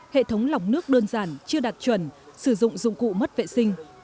hệ thống lọc nước đơn giản chưa đạt chuẩn sử dụng dụng cụ mất vệ sinh